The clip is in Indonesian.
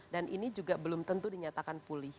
dan ini juga belum tentu dinyatakan pulih